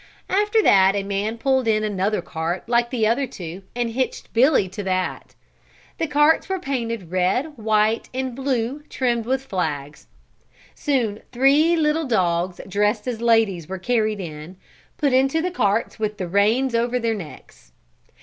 After that a man pulled in another cart like the other two and hitched Billy to that. The carts were painted red, white, and blue and trimmed with flags. Soon three little dogs dressed as ladies were carried in, put into the carts with the reins over their necks.